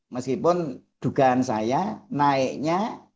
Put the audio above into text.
meskipun dugaan saya naiknya